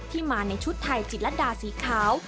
ที่มาในชุดไทยจิตลัดดาสีขาว